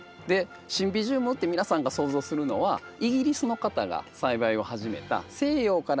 シンビジウムって皆さんが想像するのはイギリスの方が栽培を始めた西洋から来た洋ランのひとつですよね。